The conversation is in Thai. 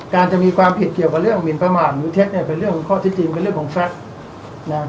จะมีความผิดเกี่ยวกับเรื่องหมินประมาทหรือเท็จเนี่ยเป็นเรื่องของข้อที่จริงเป็นเรื่องของแฟทนะ